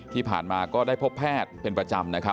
ที่ผ่านมาก็ได้พบแพทย์เป็นประจำ